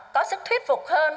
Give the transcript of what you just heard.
có sức thuyết phục hơn